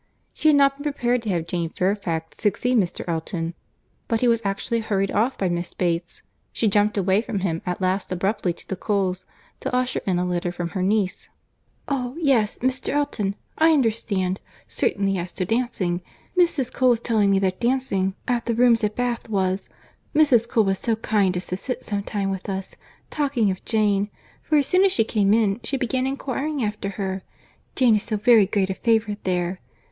She had not been prepared to have Jane Fairfax succeed Mr. Elton; but he was actually hurried off by Miss Bates, she jumped away from him at last abruptly to the Coles, to usher in a letter from her niece. "Oh! yes—Mr. Elton, I understand—certainly as to dancing—Mrs. Cole was telling me that dancing at the rooms at Bath was—Mrs. Cole was so kind as to sit some time with us, talking of Jane; for as soon as she came in, she began inquiring after her, Jane is so very great a favourite there.